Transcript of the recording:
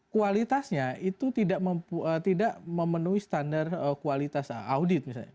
kualitasnya itu tidak memenuhi standar kualitas audit misalnya